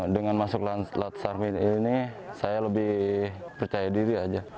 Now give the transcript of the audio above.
dengan masuk latsar ini saya lebih percaya diri aja